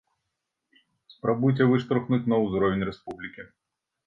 Спрабуйце выштурхнуць на ўзровень рэспублікі.